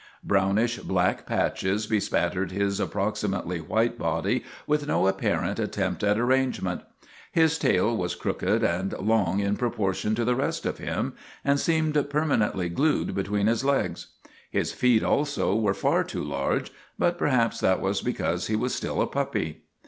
Brownish black patches bespattered his approximately white body with no apparent attempt at arrangement. His tail was crooked and long in proportion to the rest of him and seemed perma nently glued between his legs. His feet, also, were far too large, but perhaps that was because he was still a puppy.